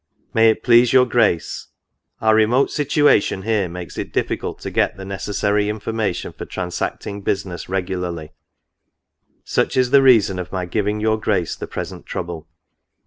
55 " May it please your Grace, « Our remote situation here makes it difficult to get the necessary information for transacting business regularly : such is the reason of my giving your Grace the present trouble.